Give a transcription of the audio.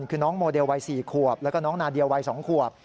คือน้องโมเดลวัย๔ขวบแล้วก็น้องนาเดียวัย๒ขวบ